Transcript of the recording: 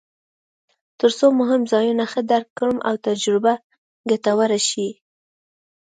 ترڅو مهم ځایونه ښه درک کړم او تجربه ګټوره شي.